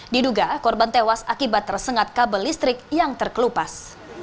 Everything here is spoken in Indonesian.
diduga korban tewas akibat tersengat kabel listrik yang terkelupas